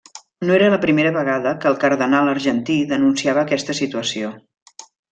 No era la primera vegada que el cardenal argentí denunciava aquesta situació.